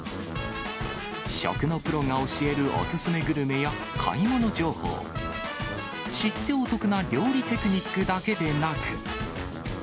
食のプロが教えるお勧めグルメや買い物情報、知ってお得な料理テクニックだけでなく。